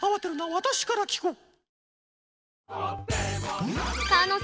私から聞こう。